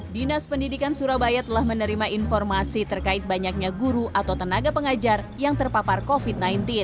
dinas pendidikan surabaya telah menerima informasi terkait banyaknya guru atau tenaga pengajar yang terpapar covid sembilan belas